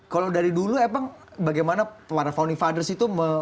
kalau dari dulu emang bagaimana para founding fathers itu